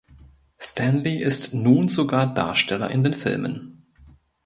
Stanley ist nun sogar Darsteller in den Filmen.